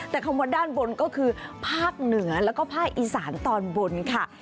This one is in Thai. แต่คำว่าด้านบนก็คือภาคเหนือแล้วก็ภาคอีสานตอนบนค่ะ